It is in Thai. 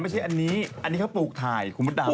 ไม่ใช่อันนี้อันนี้คือปูกไถ่คุณเวิร์ดตาม